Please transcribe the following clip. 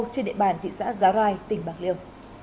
trên địa bàn thị xã giá rai tỉnh bạc liêu